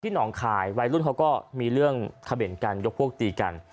หนองคายวัยรุ่นเขาก็มีเรื่องเขม่นกันยกพวกตีกัน